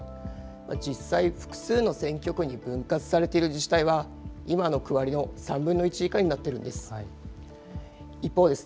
実際、複数の選挙区に分割されている自治体は、今の区割りの３分の１以下になっているんです。